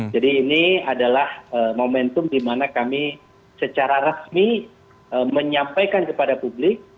jadi ini adalah momentum di mana kami secara resmi menyampaikan kepada publik